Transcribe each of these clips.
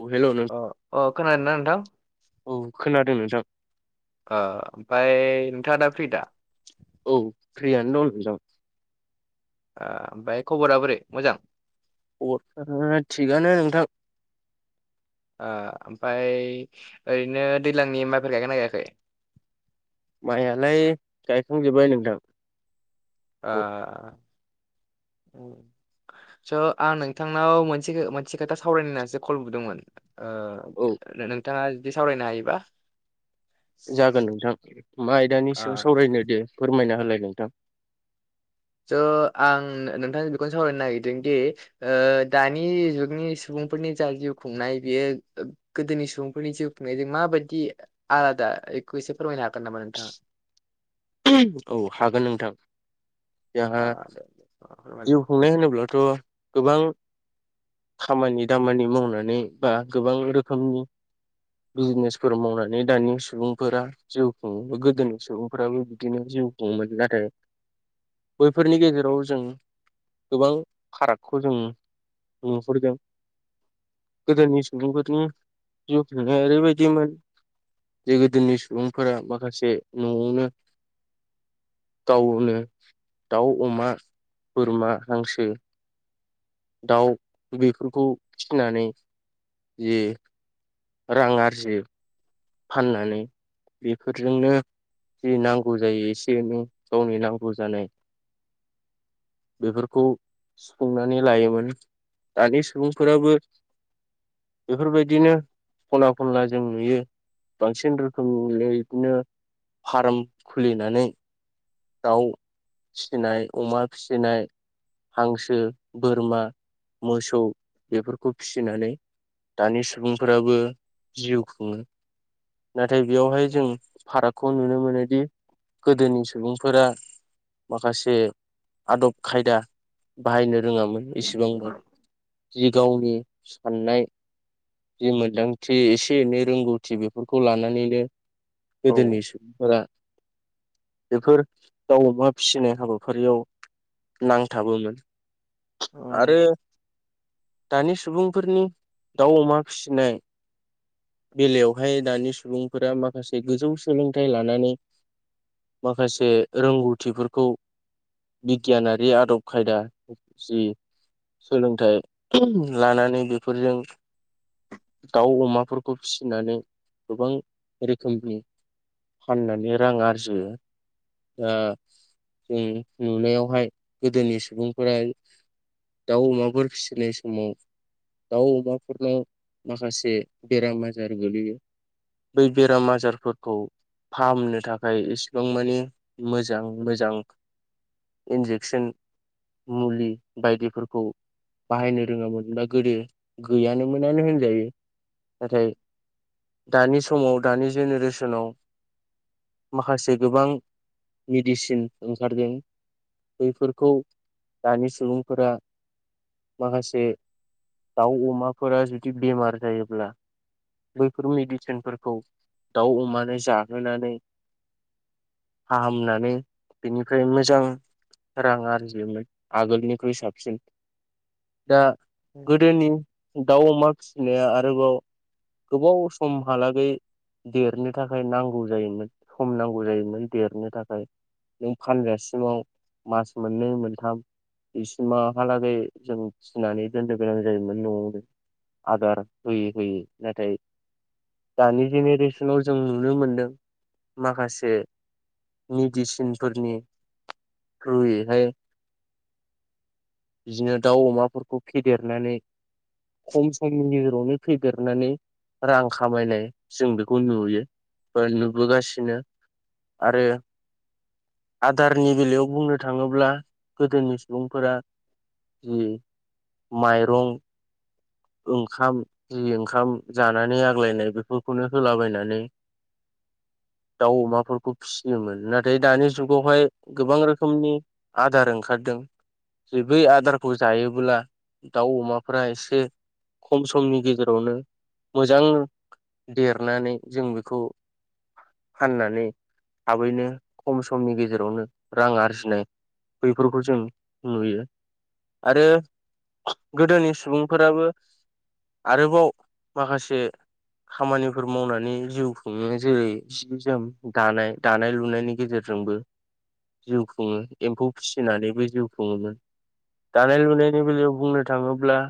औ हेल' नों अ' अ' खोनादों ना नोंथां? औ, खोनादों नोंथां। ओ ओमफाय नोंथाङा दा प्रि दा? औ, प्रिआनो दं नोंजां। आ ओमफाय खब'रा बोरै मोजां? खबरफ्रा थिगानो नोंथां। ओ ओमफाय ओरैनो दैलांनि माइफोर गायगोना गायाखै? माइयालाय गायखांजोब्बाय नोंथां। औ आ स' आं नोंथांनाव मोनसे खो मोनसे खोथा सावरायनोसो कल बुदोंमोन। ओ औ नोंथाङा जुदि सावरायनो हायोबा जागोन नोंथां, मा आयदानि ओ सायाव सावरायनो दे फोरमायना होलाय नोंथां। स' आं नोंथांजों बेखौनो सावरायनो नागिरदों दि ओ दानि जुगनि सुबुंफोरनि जा जिउ खुंनाय बियो ओ गोदोनि सुबुंफोरनि जिउ खुंनायजों माबायदि आलादा एखौ एसे फोरमायनो हागोन नामा नोंथाङा? औ हागोन नोंथां। जोंहा आ दे फोरमायलाय जिउ खुंनाय होनोब्लाथ' गोबां खामानि दामानि मावनानै बा गोबां रोखोमनि बिजनेसफोर मावनानै दानि सुबुंफोरा जिउ खुङो गोदोनि सुबुंफोराबो बि दिनो जिउ खुङोमोन नाथाय बैफोरनि गेजेराव जों गोबां फारागखौ जों नुहुरदों। गोदोनि सुबुंफोरनि जिउ खुंनाया ओरैबायदिमोन जे गोदोनि सुबुंफोरा माखासे न'आवनो गावनो दाउ, अमा, बोरमा, हांसो दाउ बेफोरखौ फिनानै जे रां आरजियो फान्नानै बेफोरजोंनो जि नांगौ जायो एसे एनै गावनि नांगौ जानाय बेफोरखौ सुफुंनानै लायोमोन। दानि सुबुंफोराबो बेफोरबायदिनो खना खनला जों नुयो बांसिन रोखोम [unintelligible] बिदिनो फार्म खुलिनानै, दाउ फिसिनाय, अमा फिसिनाय। हांसो, बोरमा, मोसौ बेफोरखौ फिसिनानै। दानि सुबुंफोराबो जिउ खुङो। नाथाय बेयावहाय जों फारागखौ नुनो मोनोदि गोदोनि सुबुं। फोरा माखासे आदब खायदा बाहायनो रोङामोन। एसेबांब जि गावनि साननाय जि मोन्दांथि एसे एनै रोंगौथि बेफोरखौ लानानैनो, औ गोदोनि सुबुंफोरा। बेफोर दाउ, अमा फिसिनाय हाबाफारियाव नांथाबोमोन। आरो। दानि सुबुंफोरनि दाउ -अमा फिसिनाय, बेलायावहाय दानि सुबुंफोरा माखासे गोजौ सोलोंथाइ लानानै, माखासे रोंगौथिफोरखौ, बिगियानारि आदब खायदा जि, सोलोंथाइ लानानै बेफोरजों, दाउ -अमाफोरखौ फिसिनानै गोबां रोखोमनि, फाननानै रां आरजियो। दा जों नुनायावहाय गोदोनि सुबुंफोरा, दाउ, अमाफोर फिसिनाय समाव, दाउ -अमाफोरनाव माखासे बेराम, आजार गोलैयो बै बेराम आजारफोरखौ फाहामनो थाखाय एसेबां मानि, मोजां मोजां इन्जेकसन, मुलि बायदिफोरखौ, बाहायनो रोङामोनब्ला गोदो गैयानोमोनानो होनजायो नाथाय। दानि समाव दानि जेनेरेसनाव माखासे गोबां, मेडिसिन ओंखारदों बैफोरखौ दानि सुबुंफोरा, माखासे दाउ अमाफोरा जुदि बेमार जायोब्ला। बैफोर मेडिसिनफोरखौ दाउ अमानो जाहोनानै, फाहामनानै बेनिफ्राय मोजां रां आरजियोमोन आगोलनिख्रुइ साबसिन दा, गोदोनि दाउ अमा फिसिनाया आरोबाव, गोबाव समहालागै देरनो थाखाय नांगौ जायोमोन सम नांगौ जायोमोन, देरनो थाखाय नों फानगासिमाव मास मोननै मोनथाम। बिसिमा हालागै जों फिनानै दोननो गोनां जायोमोन न'आवनो। आदार होयै-होयै नाथाय, दानि जेनेरेसनाव जों नुनो मोनदों माखासे मेडिसिनफोरनि थ्रुयैहाय, बिदिनो दाउ अमाफोरखौ फेदेरनानै, खम समनि गेजेरावनो फैदेरनानै, रां खामायनाय जों बेखौ नुयो बा नुबोगासिनो। आरो। आदारनि बेलायाव बुंनो थाङोब्ला गोदोनि सुबुंफोरा, जि माइरं ओंखाम जि ओंखाम जानानै आग्लायनाय बेफोरखौनो होलाबायनानै, दाउ, अमाफोरखौ फिसियोमोन नाथाय दानि जुगावहाय गोबां रोखोमनि, आदार ओंखारदों जे बै आदारखौ जायोब्ला दाउ अमाफोरा एसे, खम समनि गेजेरावनो मोजां, देरनानै जों बेखौ, फाननानै थाबैनो खम समनि गेजेरावनो रां आरजिनाय, बेफोरखौ जों नुयो। आरो गोदोनि सुबुंफोराबो आरोबाव माखासे खामानिफोर मावनानै जिउ खुङो। जेरै जि जोम दानाय दानाय लुनायनि गेजेर जोंबो जिउ खुङो। एम्फौ फिसिनानैबो जिउ खुङोमोन। दानाय लुनायनि बेलायाव बुंनो थाङोब्ला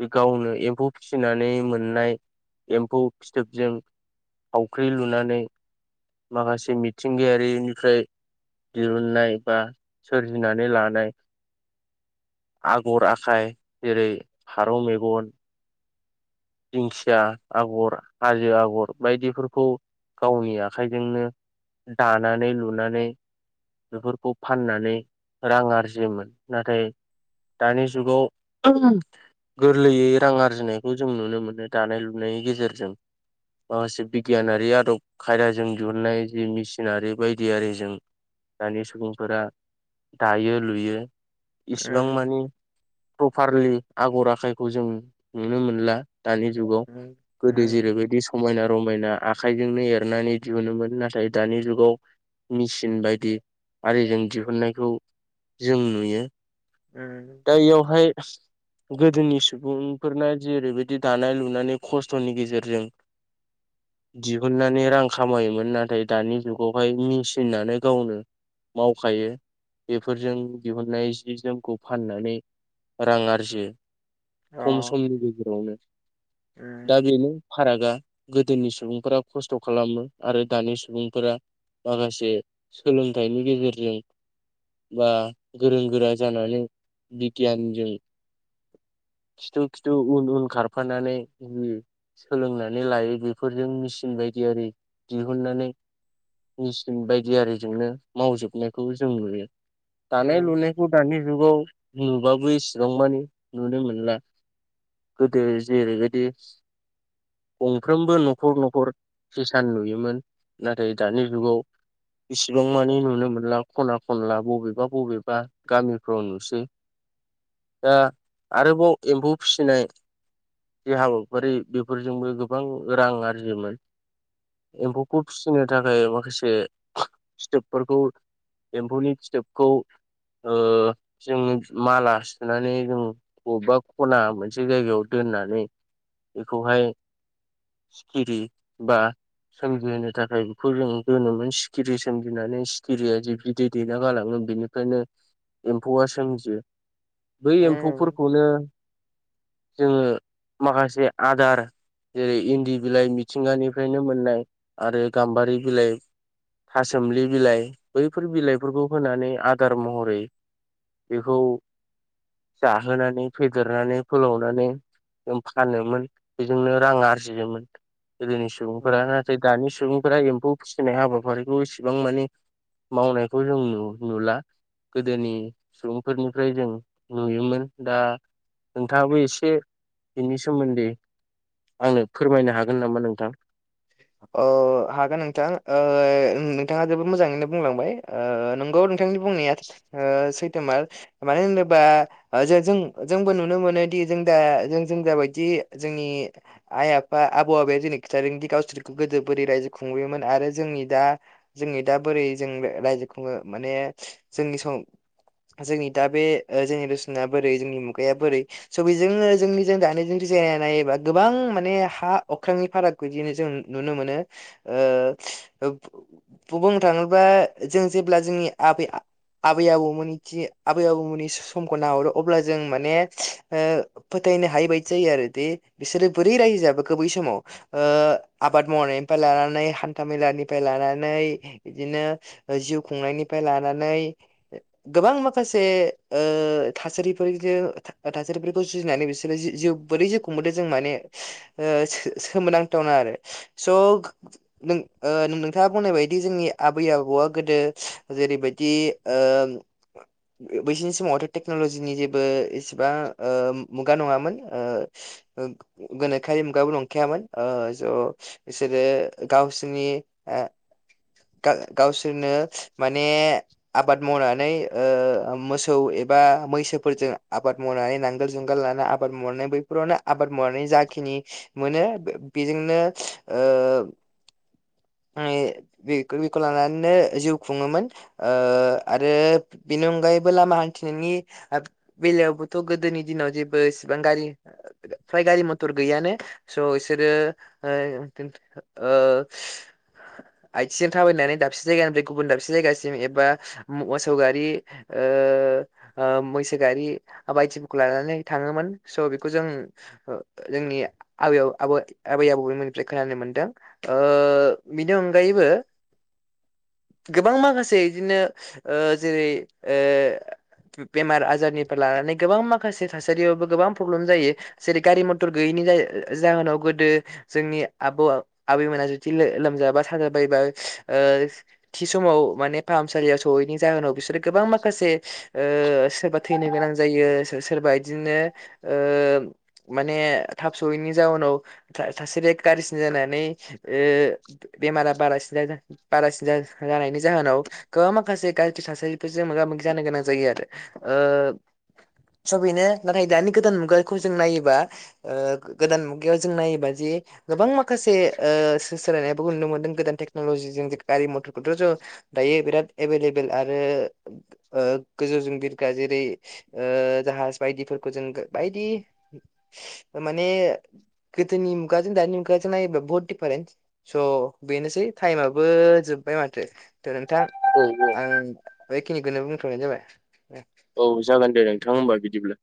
बे गावनो एम्फौ फिसिनानै मोननाय एम्फौ फिथोबजों थावख्रि लुनानै माखासे मिथिंगायारिनिफ्राय दिहुननाय बा सोरजिनानै लानाय आगर आखाइ जेरै फारौ मेगन दिंखिया आगर, हाजो आगर बायदिफोरखौ गावनि आखाइजोंनो दानानै लुनानै बेफोरखौ फाननानै रां आरजियोमोन। नाथाय दानि जुगाव [unintelligible] गोरलैयै रां आरजिनायखौ जों नुनो मोनो दानाय लुनायनि गेजेरजों। माखासे बिगियानारि आदब खायदाजों दिहुननाय जि मेसिनारि बायदि आरिजों दानि सुबुंफोरा दायो लुयो। इसिबां मानि प्रपारलि आगर आखाइखौ जों नुनो मोनला। दानि जुगाव गोदो जेरै बायदि समायना रमायना आखाइजोंनो एरनानै दिहुनोमोन। नाथाय दानि जुगाव मेचिन बायदि आरिजों दिहुननायखौ जों नुयो। उम। दा इयावहाय गोदोनि सुबुंफोरना जेरै बाय बिदि दानाय लुनानै खस्थ'नि गेजेरजों दिहुननानै रां खामायोमोन। नाथाय दानि जुगावहाय मेचिनानो गावनो मावखायो बेफोरजों दिहुननाय जि जोमखौ फाननानै रां आरजियो खम समनि गेजेरावनो। दा बेनो फारागा। गोदोनि सुबुंफोरा खस्थ' खालामो आरो दानि सुबुंफोरा माखासे सोलोंथाइनि गेजेरजों बा गोरों गोरा जानानै बिगियानजों खिथु खिथु उन उन खारफानानै उम सोलोंनानै लायो बेफोरजों मेसिन बायदि आरि दिहुननानै मेचिन बायदि आरिजोंनो मावजोबनायखौ जों नुयो। दानाय लुनायखौ दानि जुगाव नुबाबो एसेबां मानि नुनो मोन ला। गोदो जेरै बायदि गंफ्रोमबो न'खर न'खर हिसान नुयोमोन। नाथाय दानि जुगाव इसिबां मानि नुनो मोनला खना खनला बबेबा बबेबा गामिफ्राव नुसै। दा आरोबाव एम्फौ फिसिनाय जे हाबाफारि बेफोरजोंबो गोबां रां आरजियोमोन। एम्फौखौ फिसिनो थाखाय माखासे स्थोबफोरखौ एम्फौनि फिथोबखौ ओ जोङो माला सुनानै जों बबा खना मोनसे जायगायाव दोननानै बेखौहाय सिखिरि बा सोमजिहोनो थाखाय बेखौ जों दोनोमोन। सिखिरि सोमजिनानै सिखिरिया जि बिदै दैना गालाङो बेनि फ्रायनो एम्फौआ सोमजियो। बै एम्फौफोरखौनो जोङो माखासे आदार जेरै इन्दि बिलाइ मिथिंगानिफ्रायनो मोननाय आरो गाम्बारि बिलाइ था सोमलि बिलाइ बैफोर बिलाइफोरखौ होनानै आदार महरै बेखौ जाहोनानै फेदेरनानै फोलावनानै जों फानोमोन बेजोंनो रां आरजियोमोन। गोदोनि सुबुंफोरा ओ नाथाय दानि सुबुंफोरा एम्फौ फिसिनाय हाबाफारिखौ इसेबां माने मावनायखौ जों नु नुला। गोदोनि सुबुंफोरनिफ्राय जों नुयोमोन दा नोंथाङाबो एसे बेनि सोमोन्दै आंनो फोरमायनो हागोन नामा नोंथां? अ हागोन नोंथां। ओ ओं नोंथाङा जोबोद मोजाङैनो बुंलांबाय। नंगौ नोंथांनि बुंनाया सैथोमार मानो होनोबा जे जों जोंबो नुनो मोनोदि जों दा जों जों जाबायदि जोंनि आइ आफा आबौ आबौया दि खिथादोंदि गावसोरखौ गोदो बोरै रायजो खुंबोयोमोन आरो जोंनि दा जोंनि दा बोरै जों रायजो खुङो माने जोंनि सम जोंनि दा बे जेनेरेसना बोरै जोंनि मुगाया बोरै स' बेजोंनो जोंनिजों दानि जों रिजायना नायोबा गोबां माने हा अख्रांनि फाराग बिदिनो जों नुनो मोनो ओ बुंनो थाङोब्ला जों जेब्ला जोंनि आबै आबै आबौमोननि आबै आबौमोननि समखौ नाहरो अब्ला जों माने ओ फोथायनो हायि बायदि जायो आरो दि बिसोरो बोरै रायजो जाबोखो बै समाव। ओ आबाद मावनायनिफ्राय लानानै हान्थामेलानिफ्राय लानानै। बिदिनो जिउ खुंनायनिफ्राय लानानै गोबां माखासे ओ थासारिफोरजों दा थासारिफोरखौ जुजिनानै बिसोरो जि जिउ बोरै जिउखुंबोदों जों माने ओ सोमोनांथावना आरो स' नों ओ नोंथाङा बुंनाय बायदि जोंनि आबै आबौआ गोदो जेरैबायदि ओ बैसिनि समावथ' टेक्नलजिनि जेबो एसेबां ओ मुगा नङामोन ओ गोनोखोयारि मुगाबो नंखायामोन ओ स' बिसोरो गावसिनि गाव गावसोरनो माने आबाद मावनानै ओ मोसौ एबा मैसोफोरजों आबाद मावनानै नांगोल जुंगाल लाना आबाद आबाद मावनानै बैफोरावनो आबाद मावनानै जाखिनि मोनो बे बेजोंनो ओ माने बेखौ लानानैनो जिउ खुङोमोन। ओ आरो बेनि अनगायैबो लामा हान्थिनायनि बेलायावबोथ' गोदोनि दिनाव जेबो इसेबां गारि फ्राय गारि मथर गैयानो स' इसोरो ओमफ्राय ओ आथिंजों थाबायनानै दाबसे जायगानिफ्राय गुबुन दाबसे जायगासिम एबा मोसौ गारि ओ ओ मैसो गारि बायदिफोरखौ लानानै थाङोमोन स' बेखौ जों जोंनि आबै आबौ आबो आबै आबौनि निफ्राय खोनानो मोनदों। ओ बिनि अनगायैबो गोबां माखासे बिदिनो ओ जेरै ओ बेमार आजारनिफ्राय लानानै गोबां माखासे थासारियावबो गोबां प्रब्लेम जायो। जेरै गारि मथर गैयैनि जा जाहोनाव गोदो जोंनि आबौ आबैमोना जुदि लोमजाबा साजाबायबा ओ थि समाव माने फाहामसालियाव सौहैयिनि जाहोनाव बिसोरो गोबां माखासे सोरबा थैनो गोनां जायो सोरबा बिदिनो ओ माने थाब सहैयिनि जाहोनाव थासारिआ गाज्रिसिन जानानै ओ बेमारा बारासिन जागोन। बारासिन जानायनि जाहोनाव गोबां माखासे गाज्रि थासारिफोरजों मोगा मोगि जानो गोनां जायो आरो। ओ स बेनो नाथाय दानि गोदान मुगा खौ जों नायोबा ओ गोदान मुगायाव जों नायोबा जे गोबां माखा माखासे ओ सो सोलायनायखौ नुनो मोनदों गोदान टेक्न'लजिजों गारि मथरखौथ' जों दायो बिराद एभेलेबोेल आरो ओ गोजौजों बिरग्रा जेरै ओ जाहाज बायदिफोरखौ जों बायदि माने गोदोनि दानि बहुत दिफारेन्स स' बेनोसै टाइमाबो जोब्बाय माथो नोंथां औ औ आं बेखिनिखौनो बुंथ'नाय जाबाय। औ जागोन दे नोंथां होमबा बिदिब्लाए।